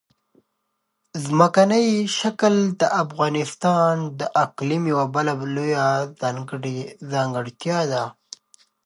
ځمکنی شکل د افغانستان د اقلیم یوه بله لویه ځانګړتیا ده.